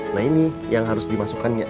nah ini yang harus dimasukkannya